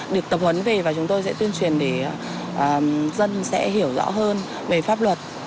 được tập huấn về và chúng tôi sẽ tuyên truyền để dân sẽ hiểu rõ hơn về pháp luật